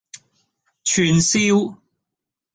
串燒